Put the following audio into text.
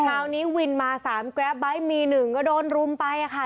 คราวนี้วินมาสามกราบไบท์มีหนึ่งก็โดนรุมไปค่ะ